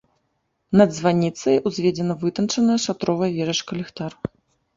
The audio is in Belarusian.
Над званіцай узведзена вытанчаная шатровая вежачка-ліхтар.